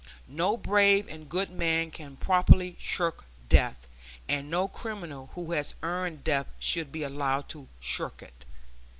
No brave and good man can properly shirk death; and no criminal who has earned death should be allowed to shirk it.